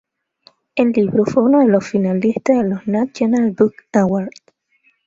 El libro fue uno de los finalistas de los National Book Awards.